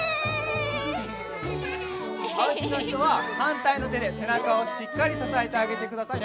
おうちのひとははんたいのてでせなかをしっかりささえてあげてくださいね。